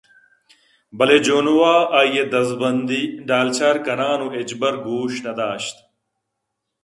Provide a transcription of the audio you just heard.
بلے جونوءَ آئی ءِ دزبندی ڈالچار کنان ءُ ہچبر گوش نہ داشت